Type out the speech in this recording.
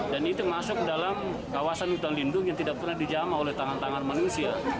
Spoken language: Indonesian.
dan itu masuk dalam kawasan hutan lindung yang tidak pernah dijama oleh tangan tangan manusia